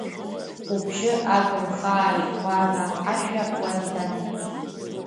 Убжьы агымхааит Ӷәадаа ҳашәа Уаридада.